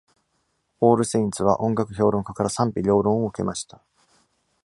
「All Saints」は音楽評論家から賛否両論を受けました。